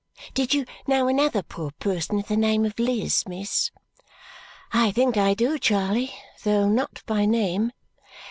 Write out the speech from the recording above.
Did you know another poor person of the name of Liz, miss?" "I think I do, Charley, though not by name."